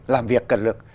làm việc cần lực